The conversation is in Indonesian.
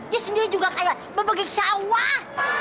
dia sendiri juga kayak bebegik sawah